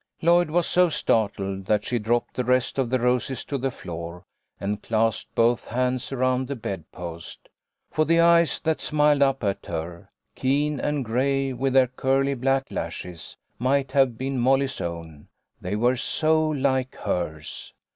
Lloyd was so startled that she dropped the rest of the roses to the floor and clasped both hands around the bedpost. For the eyes that smiled up at her, keen and gray with their curly black lashes, might have been Molly's own, they were so like hers.